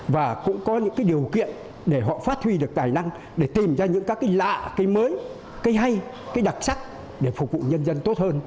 và cũng có những điều kiện để họ phát huy được tài năng để tìm ra những cái lạ cái mới cái hay cái đặc sắc để phục vụ nhân dân tốt hơn